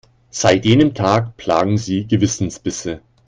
Seit jenem Tag plagen sie Gewissensbisse.